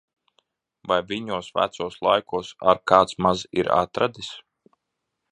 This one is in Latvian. Vai viņos vecos laikos ar kāds maz ir atradis!